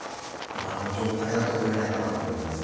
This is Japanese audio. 今の状態だと増えないかなと思いますね。